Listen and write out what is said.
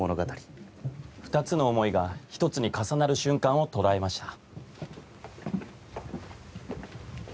２つの思いが１つに重なる瞬間を捉えました。